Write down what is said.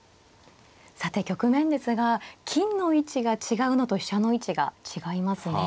さて局面ですが金の位置が違うのと飛車の位置が違いますね。